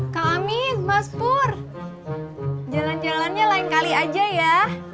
kami mas pur jalan jalannya lain kali aja ya